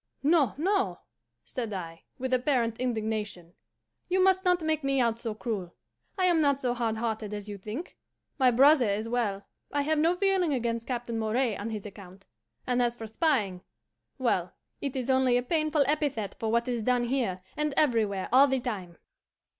"'No, no,' said I, with apparent indignation, 'you must not make me out so cruel. I am not so hard hearted as you think. My brother is well I have no feeling against Captain Moray on his account; and as for spying well, it is only a painful epithet for what is done here and everywhere all the time.